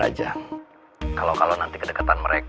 iya saya baru saja datang